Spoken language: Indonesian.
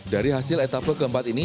dari hasil etapa keempat ini